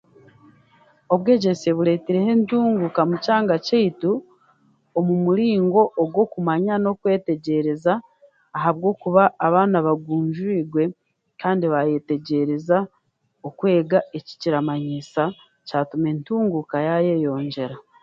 Obwegyeese buretireho entunguka mu kyanga kyeitu omu muringo ogw'okumanya n'okwetegereza ahabw'okuba abaana bagunjibwe kandi b'ayetegyereza okwega eki kiramanyisa kyatuma entunguuka yaa yeyongyera.